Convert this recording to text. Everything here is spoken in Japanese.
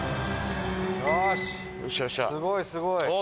すごいすごい。